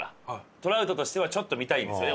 トラウトとしてはちょっと見たいんですよね